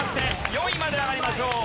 ４位まで上がりましょう。